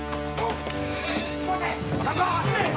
待て！